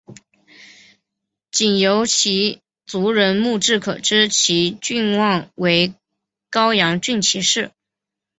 仅由其族人墓志可知其郡望为高阳郡齐氏。